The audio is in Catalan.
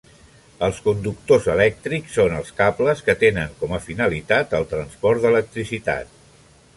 Els conductors elèctrics són els cables que tenen com a finalitat el transport d'electricitat.